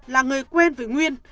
là người quen với nguyên